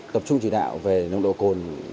tập trung chỉ đạo về nồng độ cồn